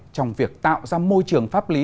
trong việc tạo ra môi trường pháp lý